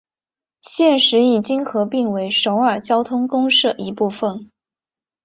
现时已经合并为首尔交通公社一部分。